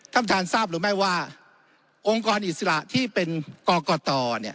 ท่านท่านทราบหรือไม่ว่าองค์กรอิสระที่เป็นกรกต